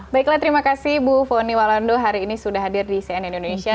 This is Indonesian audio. baiklah terima kasih bu foni walando hari ini sudah hadir di cnn indonesia